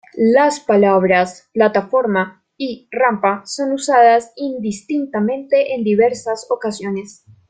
Las palabras "plataforma" y "rampa" son usadas indistintamente en diversas ocasiones.